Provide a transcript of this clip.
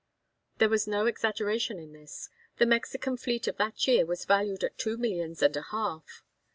There was no exaggeration in this; the Mexican fleet of that year was valued at two millions and a half.